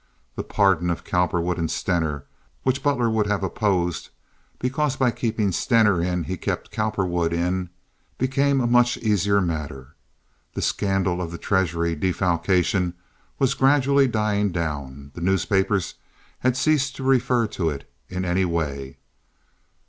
The pardon of Cowperwood and Stener, which Butler would have opposed, because by keeping Stener in he kept Cowperwood in, became a much easier matter. The scandal of the treasury defalcation was gradually dying down; the newspapers had ceased to refer to it in any way.